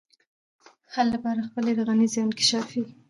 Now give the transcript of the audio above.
حل لپاره به خپلي رغنيزي او انکشافي